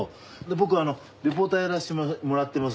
僕リポーターやらせてもらってます